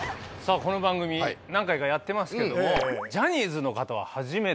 この番組何回かやってますけどもジャニーズの方は初めて。